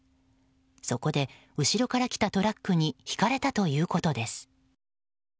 そこで、後ろから来たトラックにひかれたということです。